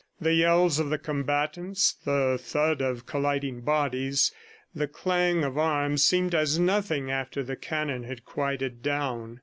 The yells of the combatants, the thud of colliding bodies, the clang of arms seemed as nothing after the cannon had quieted down.